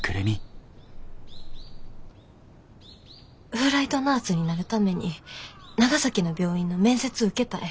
フライトナースになるために長崎の病院の面接受けたい。